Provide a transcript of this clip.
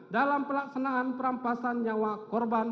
dalam pelaksanaan perampasan nyawa korban